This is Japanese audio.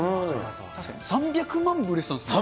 確かに３００万部売れてたんですね。